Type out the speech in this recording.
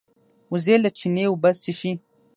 وزې له چینې اوبه څښي